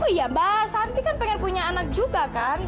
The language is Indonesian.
oh iya mbak santi kan pengen punya anak juga kan